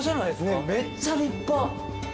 ねっめっちゃ立派。